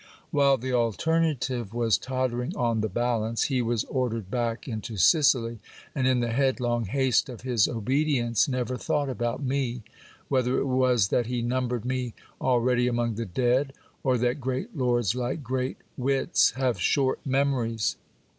While the alternative was tottering on the balance, be was ordered back into Sicily, and in the headlong haste of his obedience, never thought about me; whether it was that he numbered me already among tie dead, or that great lords, like great wits, have short memories.